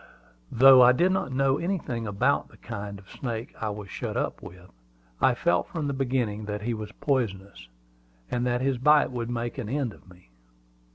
Though I did not know anything about the kind of snake I was shut up with, I felt from the beginning that he was poisonous, and that his bite would make an end of me.